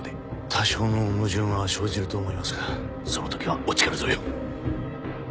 多少の矛盾は生じると思いますがその時はお力添えを。